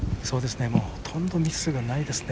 ほとんどミスがないですね。